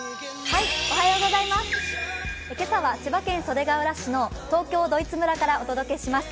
今朝は千葉県袖ケ浦市の東京ドイツ村からお届けします。